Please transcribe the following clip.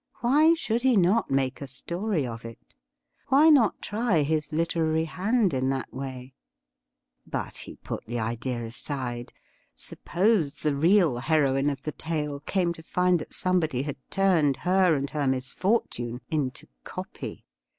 Why should he not make a story of it .'' Why not try his literary hand in that way ? But he put the idea aside. Suppose the real heroine of the tale came to find that somebody had turned her and her misfortune into 'copy.'